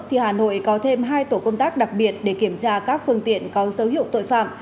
thì hà nội có thêm hai tổ công tác đặc biệt để kiểm tra các phương tiện có dấu hiệu tội phạm